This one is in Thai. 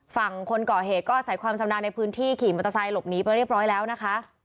ฝั่งคนก่อเหตุก็ใส่ความชำนาญในพื้นที่ขี่มอเตอร์ไซค์หลบหนีไปเรียบร้อยแล้วนะคะ